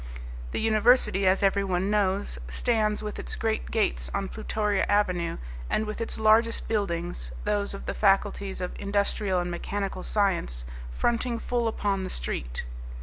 The university, as everyone knows, stands with its great gates on Plutoria Avenue, and with its largest buildings, those of the faculties of industrial and mechanical science, fronting full upon the street.